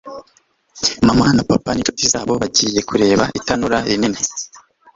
Mama na papa n'inshuti zabo bagiye kureba itanura rinini.